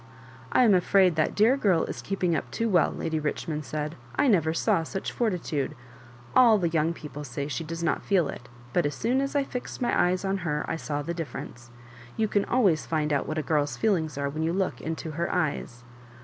"I am aihud that dear girl is keeping up too well," Lady Richmond said; " I never saw such fortituda All the young people say she does not feel it ; but as soon as I fixed my eyes on her I saw the difference. You can always find out what a girl's feelings are when you look into her eyes."